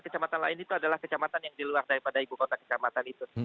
kecamatan lain itu adalah kecamatan yang di luar daripada ibu kota kecamatan itu